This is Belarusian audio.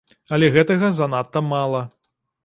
Але гэтага занадта мала.